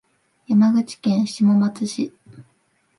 山口県下松市